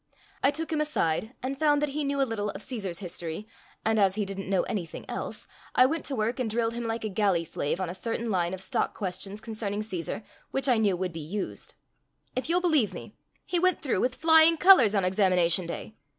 I took him aside, and found that he knew a little of Cæsar's history; and as he didn't know anything else, I went to work and drilled him like a galley slave on a certain line of stock questions concerning Cæsar which I knew would be used. If you'll believe me, he went through with flying colors on examination day!